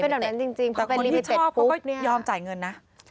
แต่คนชอบเขาก็ยอมจ่ายเงินนะ